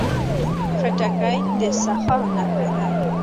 خټکی د سخا نښه ده.